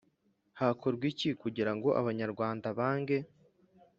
Hakorwa iki kugira ngo Abanyarwanda bange